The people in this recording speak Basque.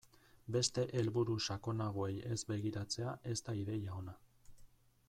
Beste helburu sakonagoei ez begiratzea ez da ideia ona.